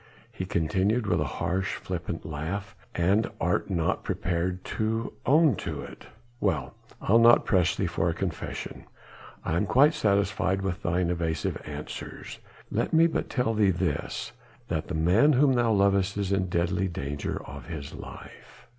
he continued with a harsh, flippant laugh, "and art not prepared to own to it. Well! I'll not press thee for a confession. I am quite satisfied with thine evasive answers. Let me but tell thee this; that the man whom thou lovest is in deadly danger of his life."